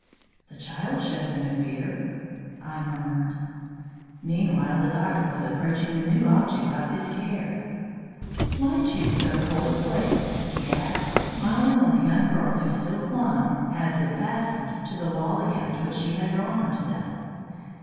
"The child shows no fear," I murmured. Meanwhile the doctor was approaching the new object of his care. "Why choose so cold a place?" he asked, smiling on the young girl who still clung, as if fastened, to the wall against which she had drawn herself.